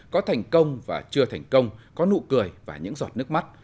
có thành công và chưa thành công có nụ cười và những giọt nước mắt